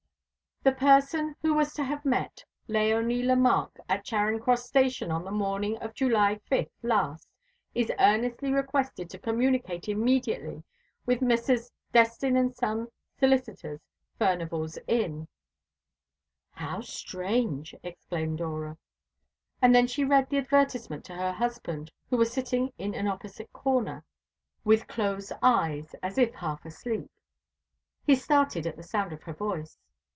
"The person who was to have met Léonie Lemarque at Charing Cross Station on the morning of July 5th last is earnestly requested to communicate immediately with Messrs. Distin & Son, Solicitors, Furnival's Inn." "How strange!" exclaimed Dora; and then she read the advertisement to her husband, who was sitting in an opposite corner, with closed eyes, as if half asleep. He started at the sound of her voice.